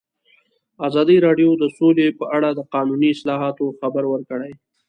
ازادي راډیو د سوله په اړه د قانوني اصلاحاتو خبر ورکړی.